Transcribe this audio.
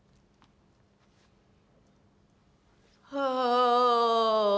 はあ。